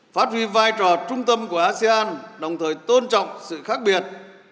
phát huy vai trò trung tâm của asean đồng thời tôn trọng sự khác biệt